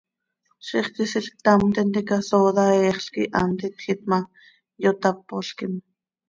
Zixquisiil ctam tintica sooda eexl quih hant itjiit ma, yotápolquim.